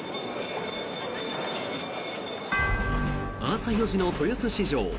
朝４時の豊洲市場。